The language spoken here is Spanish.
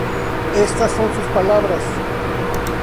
Estas son sus palabras.